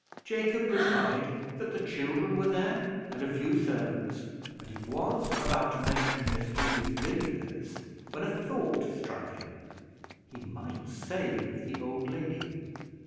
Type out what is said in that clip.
Jacob replied that the children were there, and a few servants, and he was about to mention Miss Judith Villiers, when a thought struck him he might save the old lady.